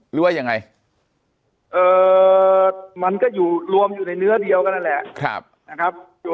หรือว่ายังไงมันก็รวมอยู่ในเนื้อเดียวก็นั่นแหละ